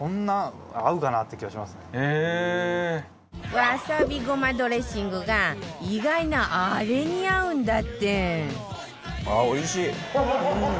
わさびごまドレッシングが意外なあれに合うんだって